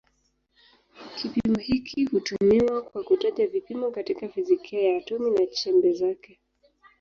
Kipimo hiki hutumiwa kwa kutaja vipimo katika fizikia ya atomi na chembe zake.